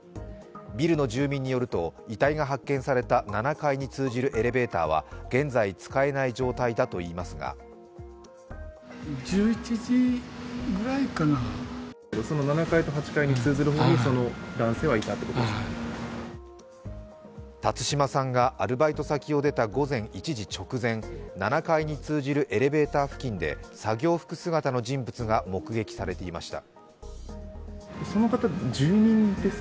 ビルの住民によると、遺体が発見された７階に通じるエレベーターは現在、使えない状態だといいますが辰島さんがアルバイト先を出た午前１時直前、７階に通じるエレベーター付近で作業着姿の人物が目撃されていました。